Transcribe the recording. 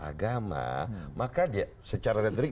agama maka dia secara detrik